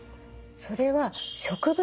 それは植物